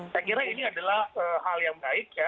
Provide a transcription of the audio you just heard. saya kira ini adalah hal yang baik ya